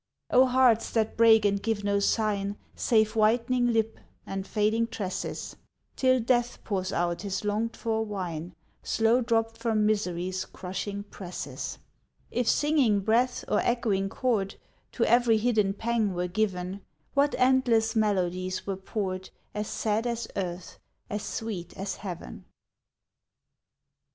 O hearts that break and give no sign Save whitening lip and fading tresses, Till Death pours out his longed for wine Slow dropped from Misery's crushing presses, If singing breath or echoing chord To every hidden pang were given, What endless melodies were poured, As sad as earth, as sweet as heaven!